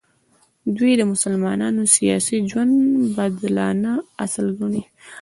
دوی د مسلمانانو سیاسي ژوند بدلانه اصل ګڼي.